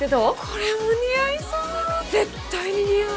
これも似合いそう絶対に似合う！